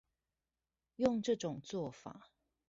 用這種作法